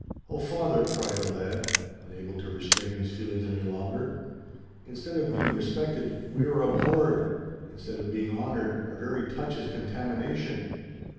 "O father!" cried the lad, unable to restrain his feelings any longer: "instead of being respected, we are abhorred—instead of being honoured, our very touch is contamination!